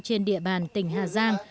trên địa bàn tỉnh hà giang